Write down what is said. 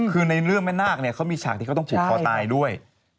คือในเรื่องแม่นาคเขามีฉากที่เขาต้องผูกคอตายด้วย